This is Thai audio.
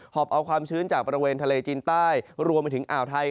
อบเอาความชื้นจากบริเวณทะเลจีนใต้รวมไปถึงอ่าวไทย